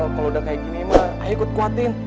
kalau udah kayak gini mah ayo ikut kuatin